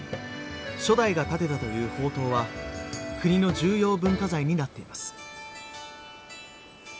初代が建てたという宝塔は国の重要文化財になっています。